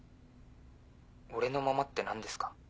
俺のままって何ですか？